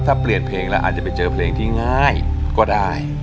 ถ้าเปลี่ยนเพลงแล้วอาจจะไปเจอเพลงที่ง่ายก็ได้